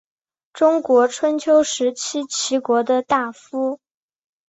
中国春秋时期齐国的大夫。